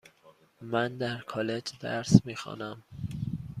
من در کالج درس میخوانم.